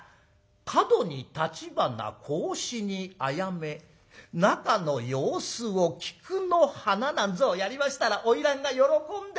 『角に橘格子にあやめ中の様子を菊の花』なんぞやりましたら花魁が喜んでね！